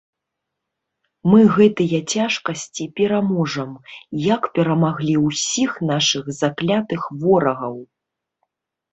Мы гэтыя цяжкасці пераможам, як перамаглі ўсіх нашых заклятых ворагаў.